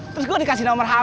terus gue dikasih nomor hp nya